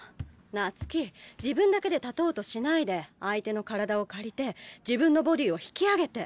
夏姫自分だけで立とうとしないで相手の体を借りて自分のボディーを引き上げて。